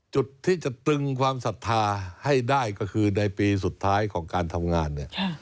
จุดที่จะตึงความศรัทธาให้ได้ก็คือในปีสุดท้ายของการทำงานเนี่ย